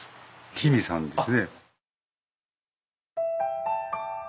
キミさんですね。